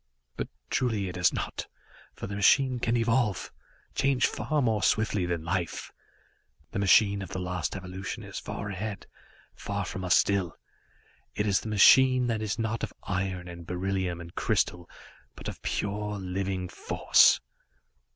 But truly, it has not, for the machine can evolve, change far more swiftly than life. The machine of the last evolution is far ahead, far from us still. It is the machine that is not of iron and beryllium and crystal, but of pure, living force.